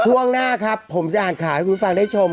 ช่วงหน้าครับผมจะอ่านข่าวให้คุณฟังได้ชม